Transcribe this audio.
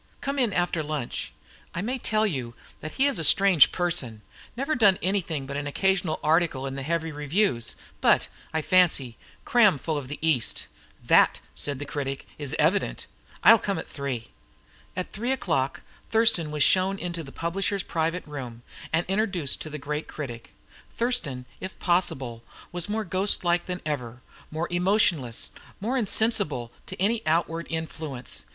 "Come in after lunch. I may tell you that he is a strange person never done anything but an occasional article in the heavy reviews, but, I fancy, cram full of the East." "That," said the critic, "is evident. I'll come at three." At three o'clock Thurston was shown into the publisher's private room, and introduced to the great critic. Thurston, if possible, was more ghostlike than ever; more emotionless; more insensible to any outward influence.